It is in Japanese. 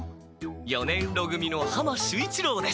四年ろ組の浜守一郎です。